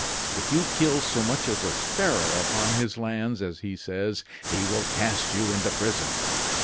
If you kill so much as a sparrow upon his lands, as he says, he will cast you into prison.